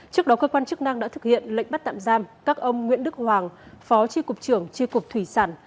trước đó cơ quan chức năng đã thực hiện lệnh bắt tạm giam các ông nguyễn đức hoàng phó tri cục trưởng tri cục thủy sản